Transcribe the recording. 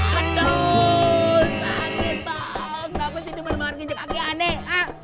kenapa sih anak anak menjaga anak